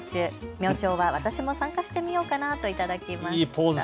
明朝は私も参加してみようかなといただきました。